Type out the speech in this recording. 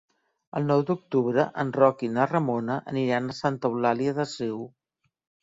El nou d'octubre en Roc i na Ramona aniran a Santa Eulària des Riu.